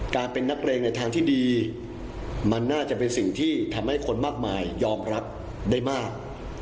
การเป็นนักเลงในทางที่ดีมันน่าจะเป็นสิ่งที่ทำให้คนมากมายยอมรับได้มาก